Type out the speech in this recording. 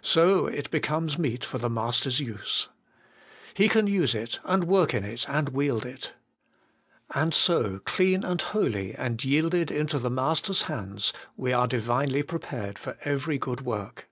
So it becomes meet for the Master's use. He can use it, and work in it, and wield it. And so, clean and holy, and yielded into the Master's hands, we are Divinely prepared for every good work.